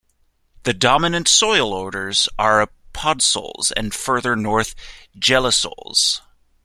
The dominant soil orders are podsols and further north gelisols.